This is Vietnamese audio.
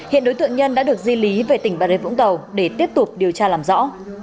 hiện đối tượng nhân đã được di lý về tỉnh bà rê vũng tàu để tiếp tục điều tra làm rõ